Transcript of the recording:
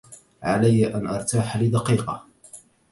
علي أن أرتاح لدقيقة.